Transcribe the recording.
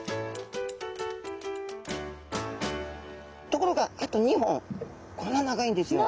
ところがあと２本こんな長いんですよ。